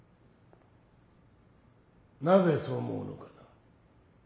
なぜそう思うのかな？